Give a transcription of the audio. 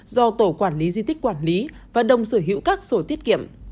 do tổ quản lý di tích quản lý và đồng sở hữu các sổ tiết kiệm